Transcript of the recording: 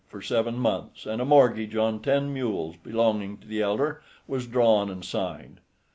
for seven months, and a mortgage on ten mules belonging to the elder was drawn and signed.